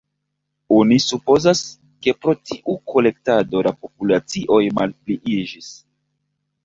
Oni supozas, ke pro tiu kolektado la populacioj malpliiĝis.